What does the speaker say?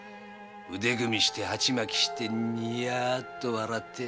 腕組みして鉢巻きしてニヤっと笑って。